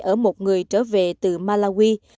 ở một người trở về từ malawi